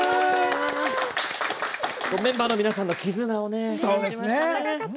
メンバーの皆さんの絆が見えました。